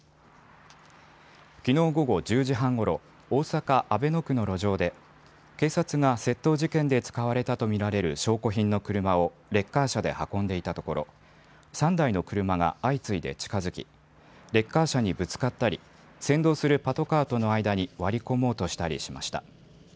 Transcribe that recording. きのう午後１０時半ごろ、大阪阿倍野区の路上で警察が窃盗事件で使われたと見られる証拠品の車をレッカー車で運んでいたところ３台の車が相次いで近づきレッカー車にぶつかったり先導するパトカーとの間に割り込もうとしたりしました。